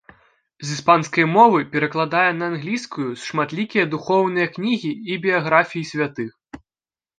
З іспанскай мовы перакладае на англійскую шматлікія духоўныя кнігі і біяграфіі святых.